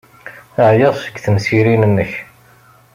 Ɛyiɣ seg temsirin-nnek.